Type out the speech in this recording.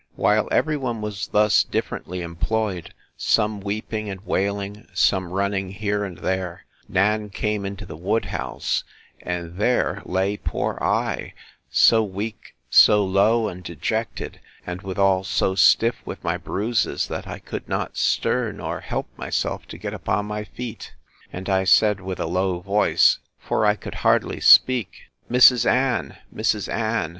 While every one was thus differently employed, some weeping and wailing, some running here and there, Nan came into the wood house; and there lay poor I; so weak, so low, and dejected, and withal so stiff with my bruises, that I could not stir, nor help myself to get upon my feet. And I said, with a low voice, (for I could hardly speak,) Mrs. Ann! Mrs. Ann!